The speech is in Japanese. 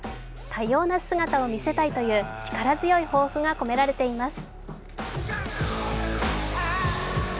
多様な姿を見せたいという力強い抱負が込められています。